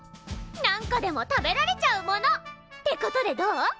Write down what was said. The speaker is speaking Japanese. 何個でも食べられちゃうもの！ってことでどう？